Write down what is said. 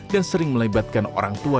dan sering melebatkan orang tua